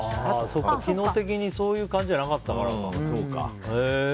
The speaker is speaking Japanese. そうか、機能的にそういう感じじゃなかったからか。